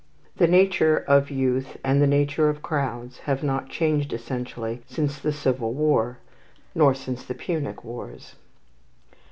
The nature of youth and the nature of crowds have not changed essentially since the Civil War, nor since the Punic Wars.